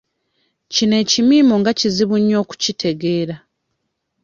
Kino ekimiimo nga kizibu nnyo okukitegeera.